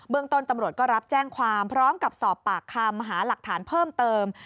ต้นตำรวจก็รับแจ้งความพร้อมกับสอบปากคำหาหลักฐานเพิ่มเติม